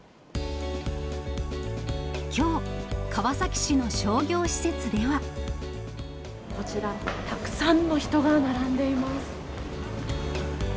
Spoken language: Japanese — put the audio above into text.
きょう、こちら、たくさんの人が並んでいます。